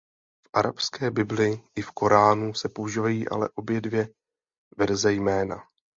V arabské Bibli i v Koránu se používají ale obě dvě verze jména.